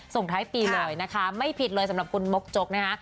ส่งท้ายปีเลยนะคะไม่ผิดเลยสำหรับคุณมกจกนะคะ